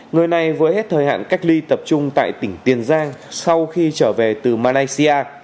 người này với hết thời hạn cách ly tập trung tại tỉnh tiền giang sau khi trở về từ malaysia